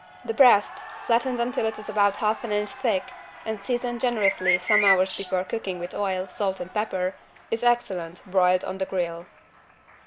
The breast, flattened until it is about half an inch thick and seasoned generously some hours before cooking with oil, salt and pepper, is excellent broiled on the grill.